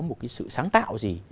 một cái sự sáng tạo gì